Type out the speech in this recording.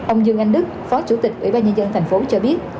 ông dương anh đức phó chủ tịch ủy ban nhân dân tp hcm cho biết